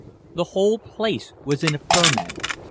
The whole place was in a ferment.